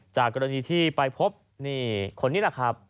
จากกรณีที่ได้ไปพบคนนี้